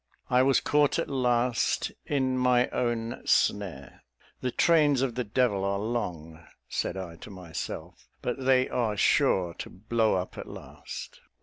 I was caught at last in my own snare. "The trains of the devil are long," said I to myself, "but they are sure to blow up at last."